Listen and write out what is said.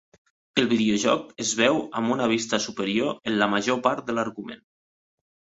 El videojoc es veu amb una vista superior en la major part de l'argument.